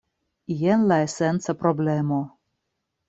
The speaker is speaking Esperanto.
Jen la esenca problemo.